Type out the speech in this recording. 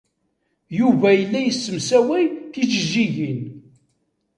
Yuba yella yessemsaway tijejjigin.